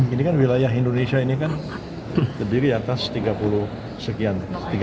ini kan wilayah indonesia ini kan terdiri atas tiga puluh sekian